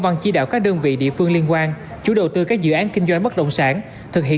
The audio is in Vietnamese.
văn chỉ đạo các đơn vị địa phương liên quan chủ đầu tư các dự án kinh doanh bất động sản thực hiện